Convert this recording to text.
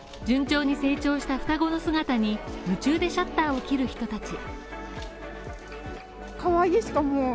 順調に成長した双子の姿に夢中でシャッターを切る人たち。